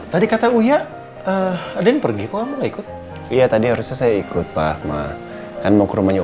tadi kata uya deden pergi kok mulai ikut iya tadi harusnya saya ikut pak kan mau ke rumahnya